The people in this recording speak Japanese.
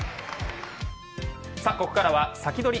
ここからはサキドリ！